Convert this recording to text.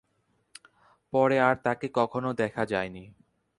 পরে আর তাকে কখনও দেখা যায়নি।